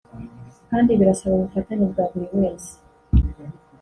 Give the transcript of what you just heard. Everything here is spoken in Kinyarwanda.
kandi birasaba ubufatanye bwa buri wese”